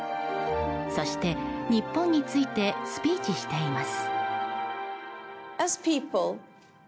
そして日本についてスピーチしています。